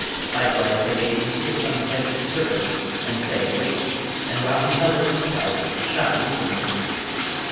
Likewise, they bade him hiss on the heads of the serpents, and say, 'Wake!' and while he held it lengthwise it shot lengthening out.